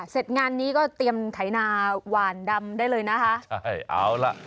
เสร็จงานนี้ก็เตรียมไถนาหวานดำได้เลยนะคะใช่เอาล่ะ